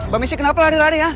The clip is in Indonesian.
mbak mes si kenapa lari lari ya